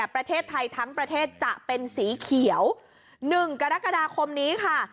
ประเทศไทยทั้งประเทศจะเป็นสีเขียว๑กรกฎาคมนี้ค่ะ